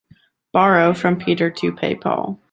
Borrow from Peter to pay Paul.